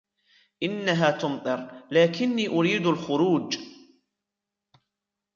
إنها تمطر، لكني أريد الخروج.